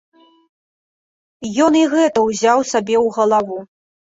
Ён і гэта ўзяў сабе ў галаву.